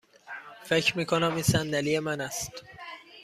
فکر می کنم این صندلی من است.